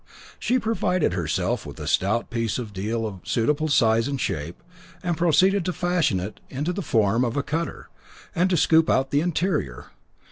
She provided herself with a stout piece of deal of suitable size and shape, and proceeded to fashion it into the form of a cutter, and to scoop out the interior.